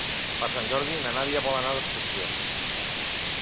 Per Sant Jordi na Nàdia vol anar d'excursió.